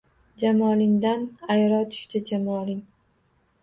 Jamolingdan ayro tushdi Jamoling